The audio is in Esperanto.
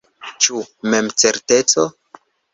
Ĉu memcerteco?